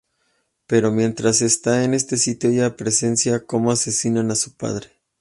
Pero mientras está en este sitio, ella presencia como asesinan a su padre.